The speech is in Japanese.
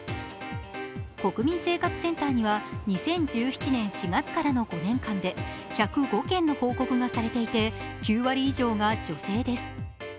国民生活センターには２０１７年４月からの５年間で１０５件の報告がされていて９割以上が女性です。